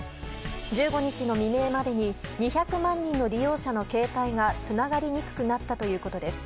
１５日の未明までに２００万人の利用者の携帯がつながりにくくなったということです。